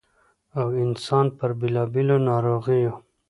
٫ او انسـان پـر بېـلابېـلو نـاروغـيو